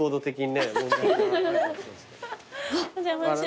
お邪魔します。